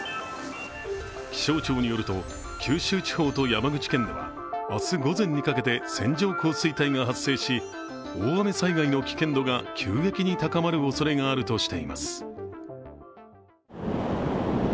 気象庁によると九州地方と山口県では明日午前にかけて線状降水帯が発生し大雨災害の危険度が、急激に高まるおそれがあるとしています。